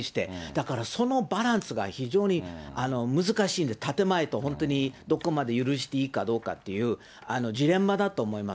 だから、そのバランスが非常に難しいんで、建て前と、本当にどこまで許していいかどうかっていうジレンマだと思います。